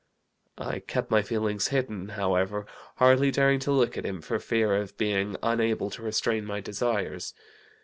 I kept my feelings hidden, however, hardly daring to look at him for fear of being unable to restrain my desires.